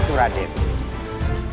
dan juga dengan